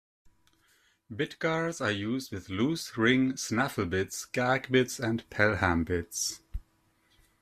Bit guards are used with loose ring snaffle bits, gag bits, and pelham bits.